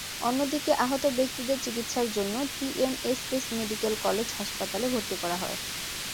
অন্যদিকে, আহত ব্যক্তিদের চিকিৎসার জন্য টিএমএসএস মেডিকেল কলেজ হাসপাতালে ভর্তি করা হয়।